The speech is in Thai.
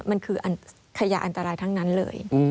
มันคือขยาอันตรายทั้งนั้นเลย